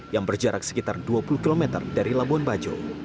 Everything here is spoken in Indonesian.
yang berjarak sekitar dua puluh km dari labuan bajo